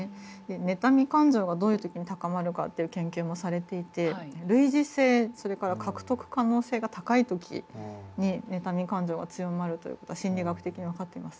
妬み感情がどういう時に高まるかという研究もされていて類似性それから獲得可能性が高い時に妬み感情が強まるという事が心理学的に分かっています。